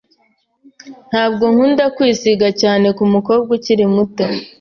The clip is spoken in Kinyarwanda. Ntabwo nkunda kwisiga cyane kumukobwa ukiri muto.